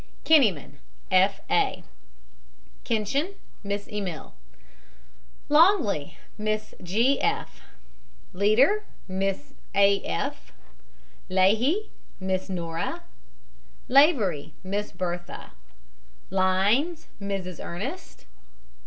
KENNYMAN, F. A. KENCHEN, MISS EMILE. LONGLEY, MISS G. F. LEADER, MRS. A. F. LEAHY, MISS NORA. LAVORY, MISS BERTHA. LINES, MRS. ERNEST.